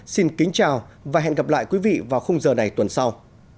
xin kính chào và hẹn gặp lại quý vị vào khung giờ này tuần sau